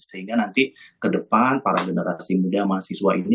sehingga nanti ke depan para generasi muda mahasiswa ini